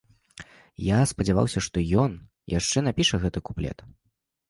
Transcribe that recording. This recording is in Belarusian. Я спадзяваўся, што ён яшчэ напіша гэты куплет.